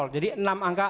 jadi enam angka